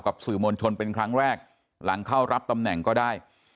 สื่อมวลชนเป็นครั้งแรกหลังเข้ารับตำแหน่งก็ได้